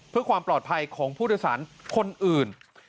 เพื่อความปลอดภัยของผู้โดยสารคนอื่น